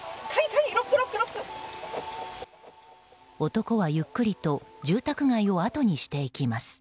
男はゆっくりと住宅街をあとにしていきます。